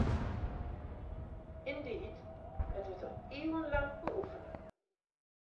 Yndied, it wurdt al iuwenlang beoefene.